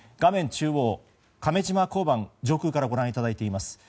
中央、亀島交番上空からご覧いただいています